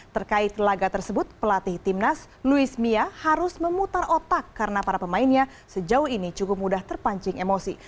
terkait laga tersebut pelatih timnas luis mia harus memutar otak karena para pemainnya sejauh ini cukup mudah terpancing emosi